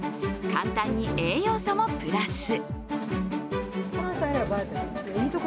簡単に栄養素もプラス。